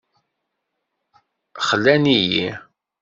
Xlan-iyi.